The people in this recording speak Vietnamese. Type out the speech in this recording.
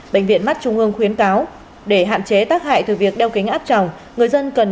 bệnh viện mắt trung ương khuyến cáo để hạn chế tác hại từ việc đeo kính áp tròng người dân cần